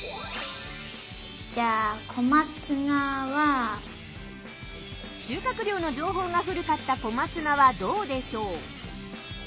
じゃあ収穫量の情報が古かった小松菜はどうでしょう？